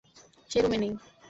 সে রুমে নেই!